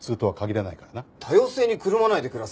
多様性にくるまないでくださいよ。